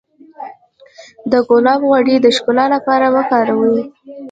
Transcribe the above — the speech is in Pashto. د ګلاب غوړي د ښکلا لپاره وکاروئ